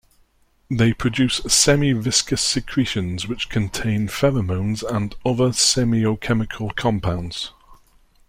They produce semi-viscous secretions which contain pheromones and other semiochemical compounds.